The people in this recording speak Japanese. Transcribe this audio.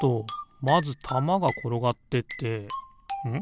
まずたまがころがってってん？